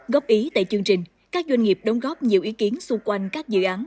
góp ý tại chương trình các doanh nghiệp đóng góp nhiều ý kiến xung quanh các dự án